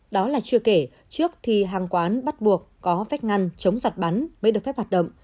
đó là chưa kể trước thì hàng quán bắt buộc có vách ngăn chống giặt bắn mới được phép hoạt động